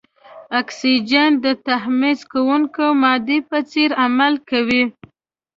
اکسیجن د تحمض کوونکې مادې په څېر عمل کوي.